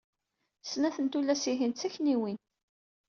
Snat n tullas-ihin d takniwin.